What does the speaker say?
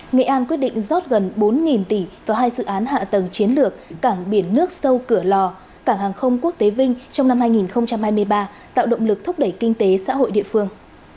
nghệ an quyết định rót gần bốn tỷ vào hai dự án hạ tầng chiến lược cảng biển nước sâu cửa lò cảng hàng không quốc tế vinh trong năm hai nghìn hai mươi ba tạo động lực thúc đẩy kinh tế xã hội địa phương